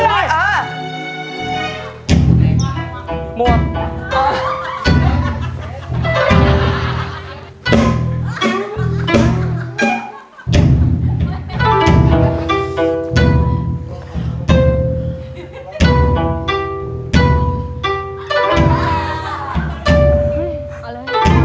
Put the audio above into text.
คืน